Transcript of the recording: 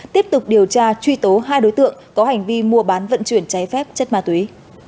tiếp tục điều tra truy tố hai đối tượng có hành vi mua bán vận chuyển cháy phép chất ma túy